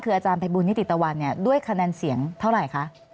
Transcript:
คืออาจารย์ภัยบูลนิติตะวันด้วยคะแนนเสียงเท่าไหร่คะ